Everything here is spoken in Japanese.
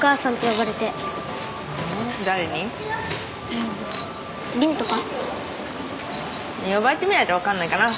呼ばれてみないと分かんないかな。